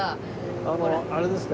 あのあれですか？